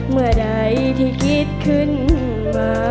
เมื่อใดที่คิดขึ้นมา